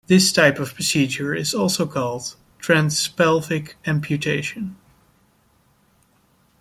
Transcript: This type of procedure is also called transpelvic amputation.